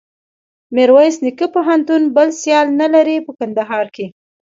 میرویس نیکه پوهنتون بل سیال نلري په کندهار کښي.